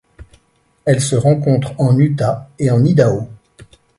Elle se rencontre en Utah et en Idaho.